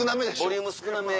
ボリューム少なめ。